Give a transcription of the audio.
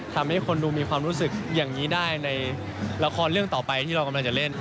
ทำให้คนดูมีความรู้สึกอย่างนี้ได้ในละครเรื่องต่อไปที่เรากำลังจะเล่น